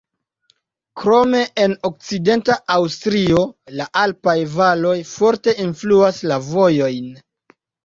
Krome en okcidenta Aŭstrio la alpaj valoj forte influas la vojojn.